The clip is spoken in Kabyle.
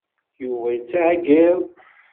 Yuba yettɛeyyiḍ.